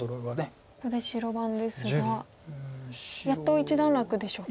ここで白番ですがやっと一段落でしょうか。